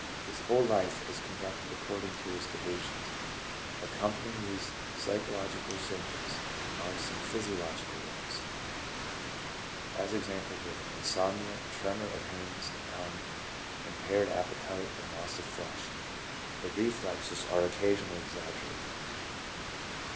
His whole life is conducted according to his delusions. Accompanying these psychological symp toms are some physiological ones — as, e.g., insomnia, tremor of hands and tongue, impaired appetite and loss of flesh. The reflexes are occasionally exag gerated.